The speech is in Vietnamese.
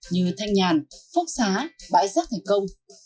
như thanh nhàn phúc xá bãi giác thành công